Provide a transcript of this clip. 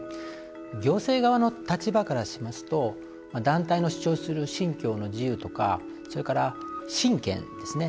行政側の立場からしますと団体の主張する信教の自由とかそれから、信権ですね